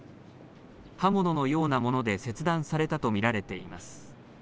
刃物のようなもので切断されたと見られています。